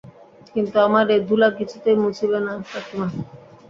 কিন্তু আমার এ ধুলা কিছুতেই মুছিবে না কাকীমা।